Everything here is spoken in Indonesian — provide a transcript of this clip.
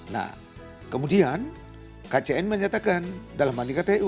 nah kemudian kcn menyatakan dalam mandi ktu